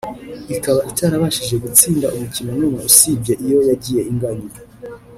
ikaba itarabashije gutsinda umukino n’umwe usibye iyo yagiye inganya